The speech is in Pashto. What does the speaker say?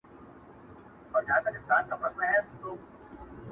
خداى وركړي وه سل سره سل خيالونه!.